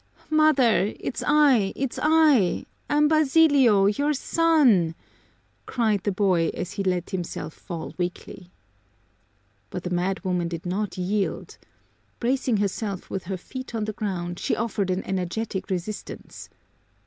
"Mother, it's I, it's I! I'm Basilio, your son!" cried the boy as he let himself fall weakly. But the madwoman did not yield. Bracing herself with her feet on the ground, she offered an energetic resistance.